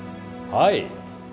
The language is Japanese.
はい！